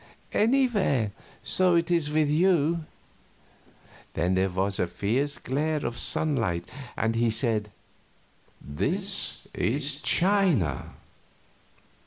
"Anywhere so it is with you." Then there was a fierce glare of sunlight, and he said, "This is China."